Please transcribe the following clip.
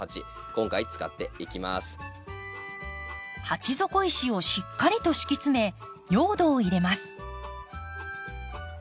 鉢底石をしっかりと敷き詰め用土を入れます。